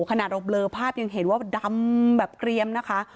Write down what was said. ขนาดเราเบลอภาพยังเห็นว่าดำแบบเกรียมนะคะ